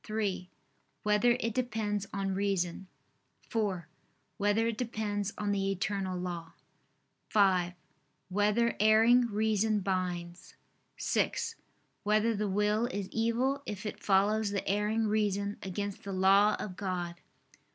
(3) Whether it depends on reason? (4) Whether it depends on the eternal law? (5) Whether erring reason binds? (6) Whether the will is evil if it follows the erring reason against the law of God?